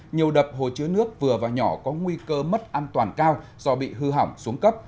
nhiều đập hồ chứa nước vừa và nhỏ có nguy cơ mất an toàn cao do bị hư hỏng xuống cấp